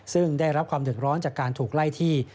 ซึ่งได้รับความเดือดร้อนจากการถูกไล่ที่